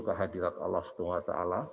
kehadirat allah swt